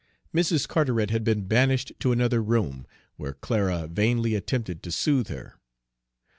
Mrs. Carteret had been banished to another room, where Clara vainly attempted to soothe her.